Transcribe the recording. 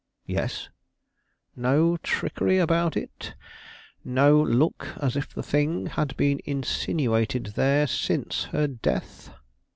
"Yes." "No trickery about it? No look as if the thing had been insinuated there since her death?"